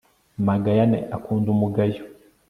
magayane akunda umugayo